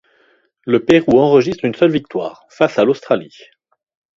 Le Pérou enregistre une seule victoire, face à l'Australie.